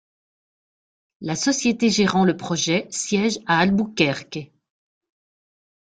La société gérant le projet siège à Albuquerque.